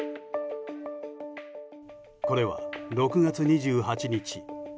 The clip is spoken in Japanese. これは６月２８日